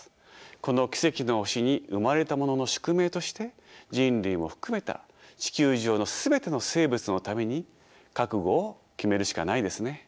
この奇跡の星に生まれたものの宿命として人類も含めた地球上の全ての生物のために覚悟を決めるしかないですね。